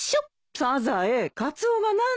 サザエカツオが何だい？